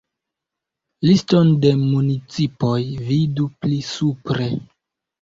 Liston de municipoj vidu pli supre.